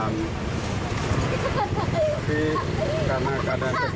normal rp lima daya biasa